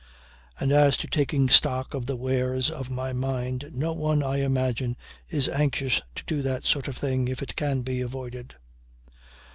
And as to taking stock of the wares of my mind no one I imagine is anxious to do that sort of thing if it can be avoided.